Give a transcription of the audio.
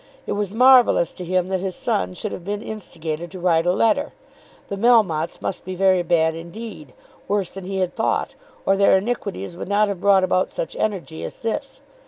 It was marvellous to him that his son should have been instigated to write a letter. The Melmottes must be very bad indeed, worse than he had thought, or their iniquities would not have brought about such energy as this.